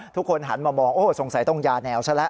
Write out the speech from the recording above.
ทุกคนหันมามองโอ้สงสัยต้องยาแนวซะแล้ว